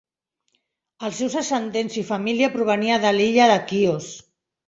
Els seus ascendents i família provenia de l'illa de Quios.